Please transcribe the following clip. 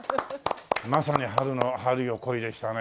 まさに「春よ、来い」でしたね。